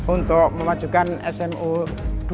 untuk memajukan smu dua